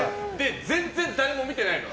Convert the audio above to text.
全然誰も見てないの。